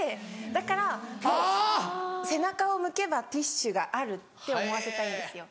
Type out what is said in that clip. だからもう背中を向けばティッシュがあるって思わせたいんですよ。